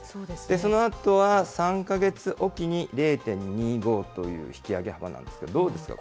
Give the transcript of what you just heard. そのあとは３か月置きに０．２５という引き上げ幅なんですが、どうですか？